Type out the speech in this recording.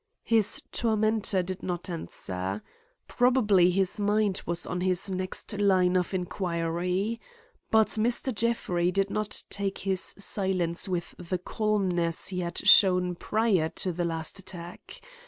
His tormentor did not answer. Probably his mind was on his next line of inquiry. But Mr. Jeffrey did not take his silence with the calmness he had shown prior to the last attack.